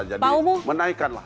jadi menaikan lah